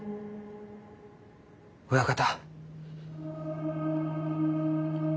親方。